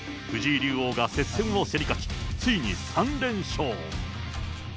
藤井竜王が接戦を競り勝ち、ついに３連勝。